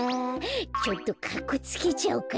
ちょっとかっこつけちゃおうかな。